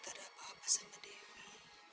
gak ada apa apa sama dewi